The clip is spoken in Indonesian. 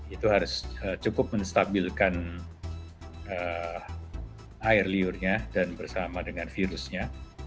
itu harus cukup menstabilkan air liurnya dan bersama dengan virusnya